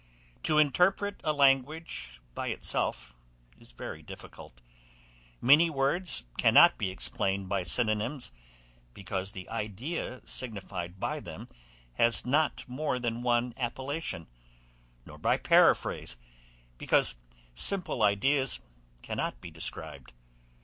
To interpret a language by itself is very difficult; many words cannot be explained by synonimes, because the idea signified by them has not more than one appellation; nor by paraphrase, because simple ideas cannot be described.